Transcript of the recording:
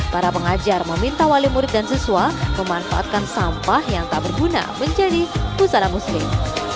para pengajar meminta wali murid dan siswa memanfaatkan sampah yang tak berguna menjadi busana muslim